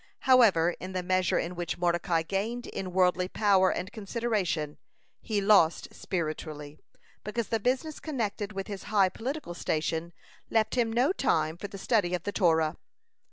(189) However, in the measure in which Mordecai gained in worldly power and consideration, he lost spiritually, because the business connected with his high political station left him no time for the study of the Torah.